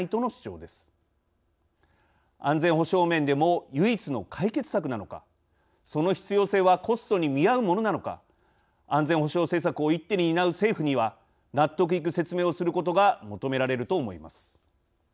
安全保障面でも唯一の解決策なのかその必要性はコストに見合うものなのか安全保障政策を一手に担う政府には納得いく説明をすることが求められると思います。